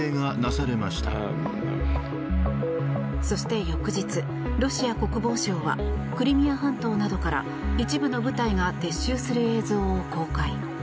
そして翌日、ロシア国防省はクリミア半島などから一部の部隊が撤収する映像を公開。